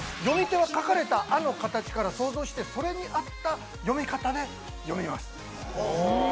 読み手は書かれた「あ」の形から想像してそれに合った読み方で読みます。